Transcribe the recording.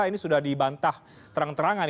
ini sudah dibantah terang terangan